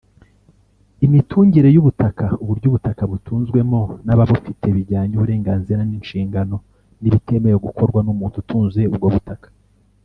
Imitungire y’ubutaka : uburyo ubutaka butunzwemo n’ababufite bijyanye uburenganzira n’inshingano n’ibitemewe gukorwa n’umuntu utunze ubwo butaka ;